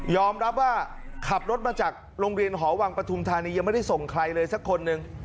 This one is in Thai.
รับว่าขับรถมาจากโรงเรียนหอวังปฐุมธานียังไม่ได้ส่งใครเลยสักคนหนึ่ง